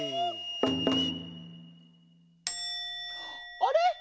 あれ？